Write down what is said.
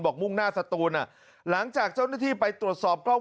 มุ่งหน้าสตูนอ่ะหลังจากเจ้าหน้าที่ไปตรวจสอบกล้อง